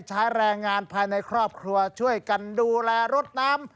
ใช้แรงงานภายในครอบครัวช่วยกันดูแลรถน้ำ